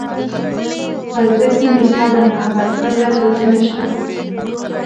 په زړه کې مې ستا د محبت پرته بل څه نشته.